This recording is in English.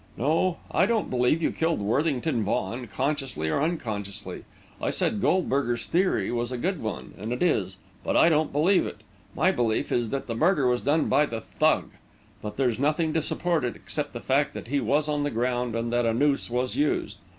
No, I don't believe you killed Worthington Vaughan, consciously or unconsciously. I said Goldberger's theory was a good one, and it is; but I don't believe it. My belief is that the murder was done by the Thug; but there's nothing to support it, except the fact that he was on the ground and that a noose was used.